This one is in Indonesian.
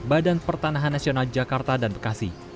badan pertanahan nasional jakarta dan bekasi